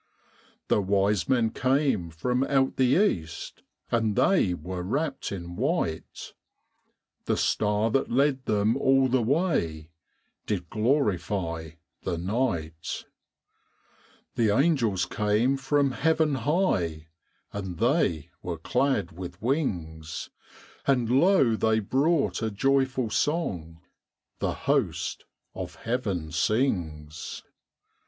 The wise men came from out the east, And they were wrapped in white; The star that led them all the way Did glorify the night. The angels came from heaven high, And they were clad with wings; And lo, they brought a joyful song The host of heaven sings.